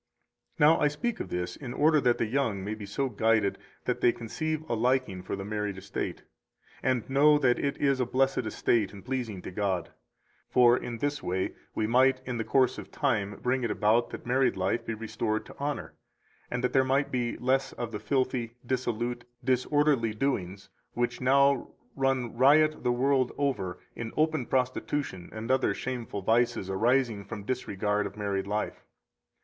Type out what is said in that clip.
217 Now, I speak of this in order that the young may be so guided that they conceive a liking for the married estate, and know that it is a blessed estate and pleasing to God. For in this way we might in the course of time bring it about that married life be restored to honor, and that there might be less of the filthy, dissolute, disorderly doings which now run riot the world over in open prostitution and other shameful vices arising from disregard of married life.